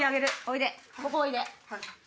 おいで！